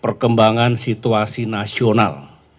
perkembangan situasi nasional